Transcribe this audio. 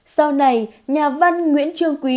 sau này nhà văn nguyễn trương quý